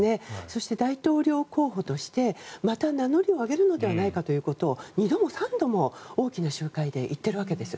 そして大統領候補としてまた名乗りを上げるのではないかということを２度も３度も大きな集会で言っているわけです。